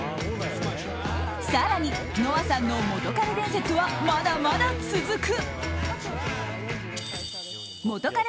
更に、ノアさんの元カレ伝説はまだまだ続く。